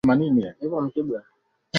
Kijana mtanashati.